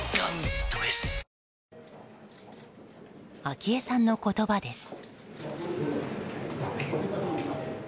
昭恵さんの言葉です。